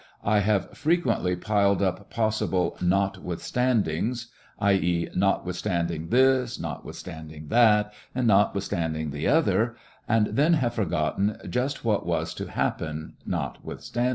I have frequently piled up possible "notwithstandings," i.e., notwithstanding this, notwithstanding that, and notwithstanding the other, and then have forgotten just what was to happen "notwith standing"